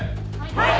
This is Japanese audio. はい。